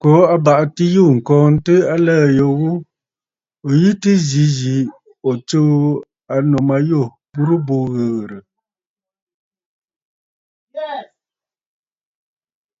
Kǒ abàʼati yû ŋ̀kɔɔntə aləə̀ yo ghu, ǹyi tɨ yǐ zì ǹtsuu ànnù ma yû bǔ burə ghɨghɨ̀rə̀!